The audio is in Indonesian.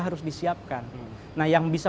harus disiapkan nah yang bisa